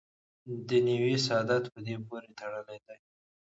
دنیوي سعادت په دې پورې تړلی دی.